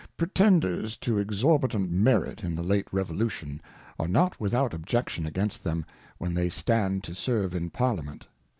Pretenders to Exorbitant Merit in the late Revolution, are not without Objections against them, when they stand to serve in Parliament.